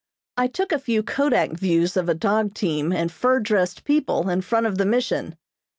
I took a few kodak views of a dog team and fur dressed people in front of the Mission.